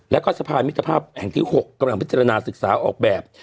แล้วก็สะพานมิตรภาพแห่งที่๖กำลังพิจารณาศึกษาออกแบบ